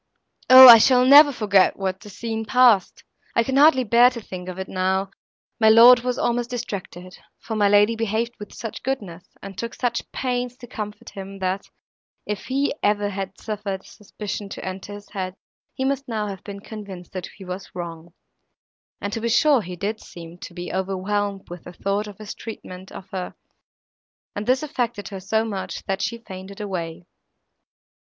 O! I shall never forget what a scene passed—I can hardly bear to think of it now! My lord was almost distracted, for my lady behaved with so much goodness, and took such pains to comfort him, that, if he ever had suffered a suspicion to enter his head, he must now have been convinced he was wrong. And to be sure he did seem to be overwhelmed with the thought of his treatment of her, and this affected her so much, that she fainted away.